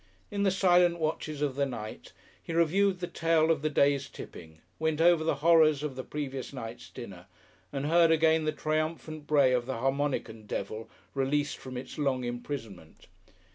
In the silent watches of the night he reviewed the tale of the day's tipping, went over the horrors of the previous night's dinner, and heard again the triumphant bray of the harmonicon devil released from its long imprisonment.